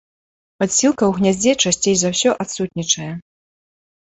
Падсцілка ў гняздзе часцей за ўсё адсутнічае.